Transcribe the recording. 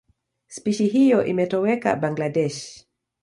Spishi hiyo imetoweka Bangladesh.